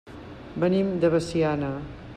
Venim de Veciana.